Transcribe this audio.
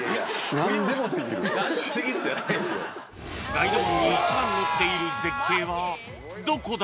［ガイド本に一番載っている絶景はどこだ？］